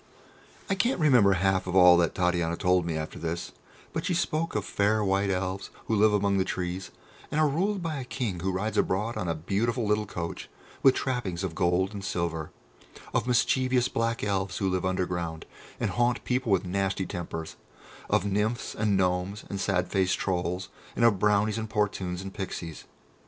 I can't remember half of all that Titania told me after this, but she spoke of fair White Elves who live among the trees, and are ruled by a King who rides abroad in a beautiful little coach with trappings of gold and silver; of mischievous Black Elves who live underground, and haunt people with nasty tempers; of Nymphs and Gnomes and sad faced Trolls, and of Brownies and Portunes and Pixies.